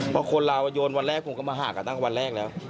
เพราะคนเราโยนวันแรกผมก็มาหากันตั้งแต่วันแรกแล้ว